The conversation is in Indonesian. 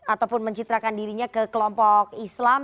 ataupun mencitrakan dirinya ke kelompok islam